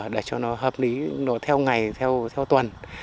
để cho nó hợp lý nó theo ngày theo tuần